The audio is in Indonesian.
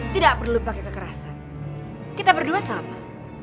tidak perlu pakai kekerasan kita berdua sama